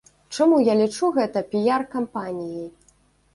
Чаму я лічу гэта піяр-кампаніяй?